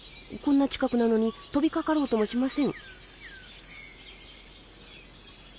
こんな近くなのに飛びかかろうともしません。